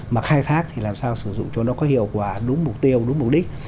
mà khai thác thì làm sao sử dụng cho nó có hiệu quả đúng mục tiêu đúng mục đích